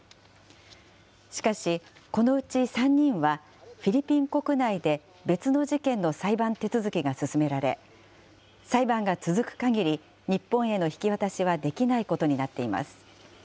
しかし、このうち３人はフィリピン国内で別の事件の裁判手続きが進められ、裁判が続くかぎり、日本への引き渡しはできないことになっています。